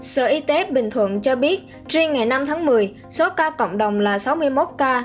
sở y tế bình thuận cho biết riêng ngày năm tháng một mươi số ca cộng đồng là sáu mươi một ca